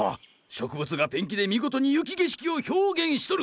植物がペンキで見事に雪景色を表現しとる。